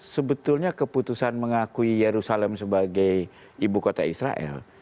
sebetulnya keputusan mengakui yerusalem sebagai ibu kota israel